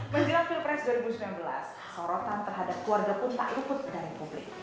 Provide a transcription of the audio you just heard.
menjelang pilpres dua ribu sembilan belas sorotan terhadap keluarga pun tak luput dari publik